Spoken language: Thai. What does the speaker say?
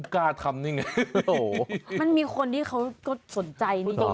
กล้าทำนี่ไงโอ้โหมันมีคนที่เขาก็สนใจนี่เยอะ